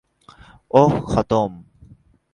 ওহ, খতম!